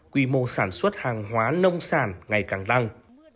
quy mô sản xuất hàng hóa nông sản ngày càng tăng